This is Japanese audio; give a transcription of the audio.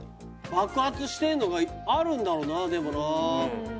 爆発してんのがあるんだろうなでもな。